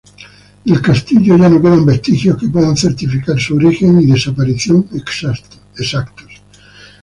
Del castillo ya no quedan vestigios que puedan certificar su origen y desaparición exactos.